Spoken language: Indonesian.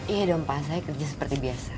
iya dong pak saya kerja seperti biasa